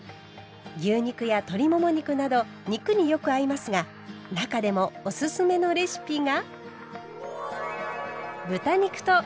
牛肉や鶏もも肉など肉によく合いますが中でもおすすめのレシピが。